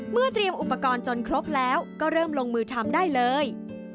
เตรียมอุปกรณ์จนครบแล้วก็เริ่มลงมือทำได้เลย